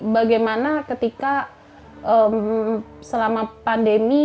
bagaimana ketika selama pandemi